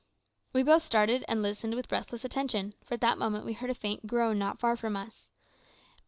We both started and listened with breathless attention, for at that moment we heard a faint groan not far from us.